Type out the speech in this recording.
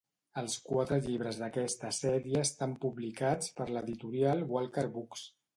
Els quatre llibres d'aquesta sèrie estan publicats per l'editorial Walker Books.